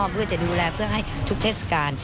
เพื่อจะดูแลให้ทุกเทศกาล